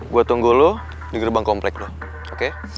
gue tunggu lo di gerbang komplek lo okay